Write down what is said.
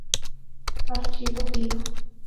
Archivo Fiba